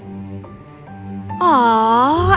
dia berpikir aku sudah pergi